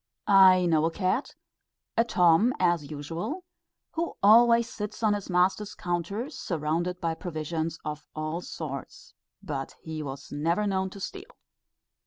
I know a cat a Tom, as usual who always sits on his master's counter, surrounded by provisions of all sorts, but he was never known to steal.